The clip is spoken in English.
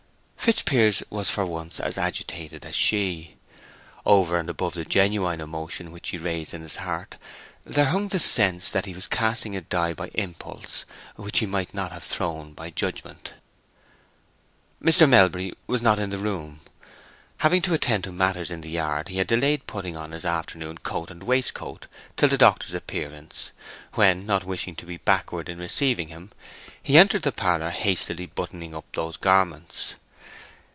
Fitzpiers was for once as agitated as she. Over and above the genuine emotion which she raised in his heart there hung the sense that he was casting a die by impulse which he might not have thrown by judgment. Mr. Melbury was not in the room. Having to attend to matters in the yard, he had delayed putting on his afternoon coat and waistcoat till the doctor's appearance, when, not wishing to be backward in receiving him, he entered the parlor hastily buttoning up those garments.